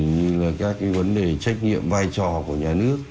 như là các cái vấn đề trách nhiệm vai trò của nhà nước